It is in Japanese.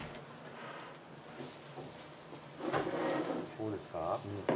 どうですか？